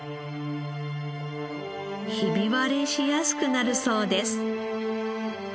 ひび割れしやすくなるそうです。